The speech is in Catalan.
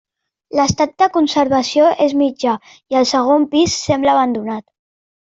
L'estat de conservació és mitjà i el segon pis sembla abandonat.